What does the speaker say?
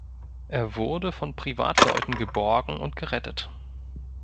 Er wurde von Privatleuten geborgen und gerettet.